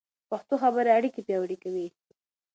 پښتو خبرې اړیکې پیاوړې کوي.